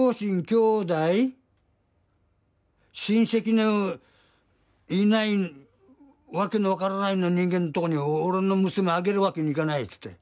きょうだい親戚のいない訳の分からないような人間のとこに俺の娘あげるわけにいかないつって。